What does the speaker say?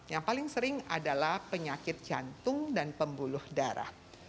yang paling sering adalah penyakit jantung dan pembuluh darah